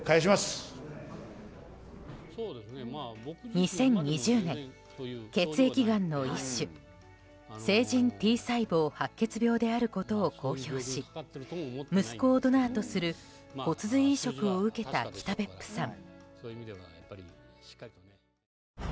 ２０２０年、血液がんの一種成人Ｔ細胞白血病であることを公表し息子をドナーとする骨髄移植を受けた北別府さん。